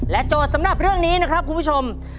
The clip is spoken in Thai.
โจทย์สำหรับเรื่องนี้นะครับคุณผู้ชม